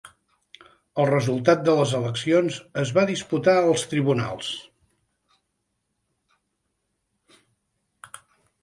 El resultat de les eleccions es va disputar als tribunals.